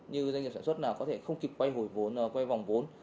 như doanh nghiệp sản xuất có thể không kịp quay vòng vốn